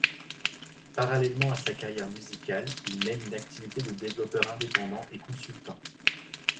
Parallèlement à sa carrière musicale, il mène une activité de développeur indépendant et consultant.